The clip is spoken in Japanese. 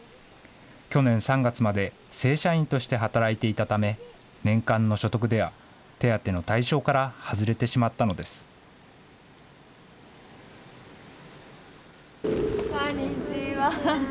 去年３月まで正社員として働いていたため、年間の所得では手当の対象から外れてしまったのです。